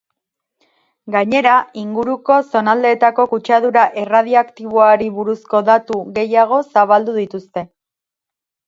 Gainera, inguruko zonaldeetako kutsadura erradiaktiboari buruzko datu gehiago zabaldu dituzte.